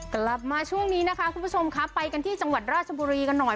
กลับมาช่วงนี้นะคะคุณผู้ชมครับไปกันที่จังหวัดราชบุรีกันหน่อย